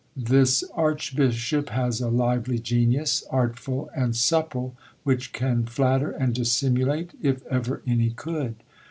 This archbishop has a lively genius, artful and supple, which can flatter and dissimulate, if ever any could.